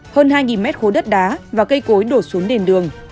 hơn hai mét khối đất đá và cây cối đổ xuống nền đường